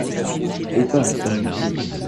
Peux pas, sommes bouclés !…